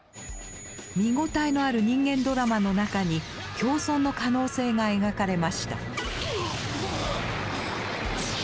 見応えのある人間ドラマの中に共存の可能性が描かれました。